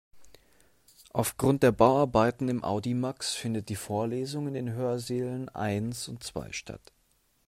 Aufgrund der Bauarbeiten im Audimax findet die Vorlesung in den Hörsälen eins und zwei statt.